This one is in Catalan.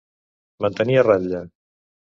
Mantenir a ratlla.